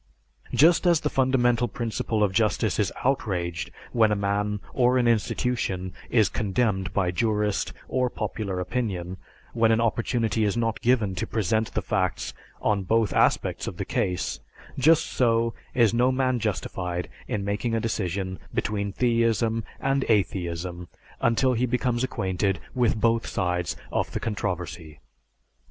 Just as the fundamental principle of justice is outraged when a man or an institution is condemned by jurist or popular opinion when an opportunity is not given to present the facts on both aspects of the case, just so is no man justified in making a decision between theism and atheism until he becomes acquainted with both sides of the controversy.